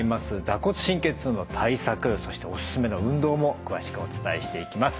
坐骨神経痛の対策そしておすすめの運動も詳しくお伝えしていきます。